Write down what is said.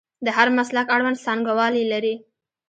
د هر مسلک اړوند څانګوال یې لري.